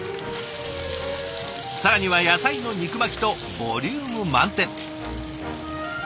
更には野菜の肉巻きとボリューム満点。